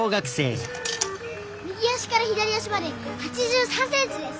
右足から左足まで８３ｃｍです。